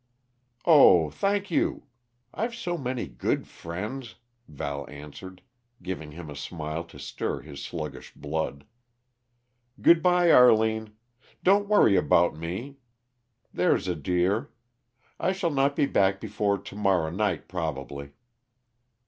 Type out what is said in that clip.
"Oh, thank you. I've so many good friends," Val answered, giving him a smile to stir his sluggish blood. "Good bye, Arline. Don't worry about me, there's a dear. I shall not be back before to morrow night, probably."